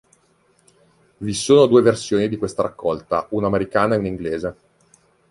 Vi sono due versioni di questa raccolta, una americana e una inglese.